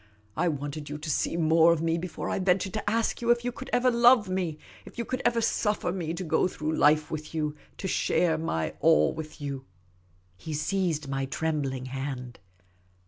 I wanted you to see more of me before I ventured to ask you if you could ever love me, if you could ever suffer me to go through life with you, to share my all with you." He seized my trembling hand.